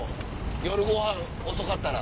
夜ごはん遅かったら。